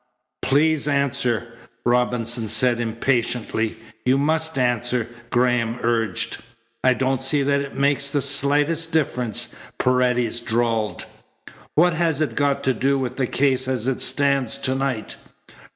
"Please answer," Robinson said impatiently. "You must answer," Graham urged. "I don't see that it makes the slightest difference," Paredes drawled. "What has it got to do with the case as it stands to night?"